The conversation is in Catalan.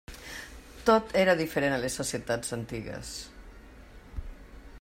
Tot era diferent en les societats antigues.